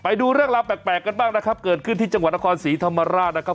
ไปดูเรื่องราวแปลกกันบ้างนะครับเกิดขึ้นที่จังหวัดนครศรีธรรมราชนะครับ